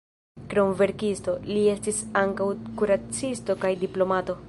Krom verkisto, li estis ankaŭ kuracisto kaj diplomato.